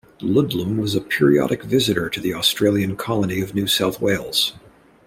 Ludlam was a periodic visitor to the Australian colony of New South Wales.